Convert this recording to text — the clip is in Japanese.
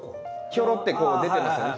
ひょろってこう出てますよね。